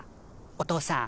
お父さん。